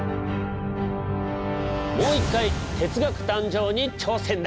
もう一回哲学誕生に挑戦だ。